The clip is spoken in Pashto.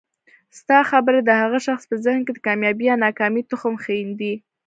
ستا خبري د هغه شخص په ذهن کي د کامیابۍ یا ناکامۍ تخم ښیندي